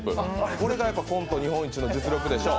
これがコント日本一の実力でしょう。